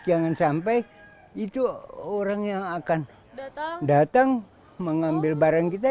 jangan sampai itu orang yang akan datang mengambil barang kita